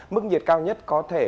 mức nhiệt cao nhất có thể